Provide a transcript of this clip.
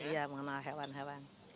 iya mengenal hewan hewan